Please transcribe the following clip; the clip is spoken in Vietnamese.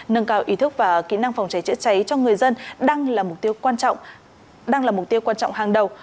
nâng cao ý thức và kỹ năng phòng cháy chữa cháy cho người dân đang là mục tiêu quan trọng hàng đầu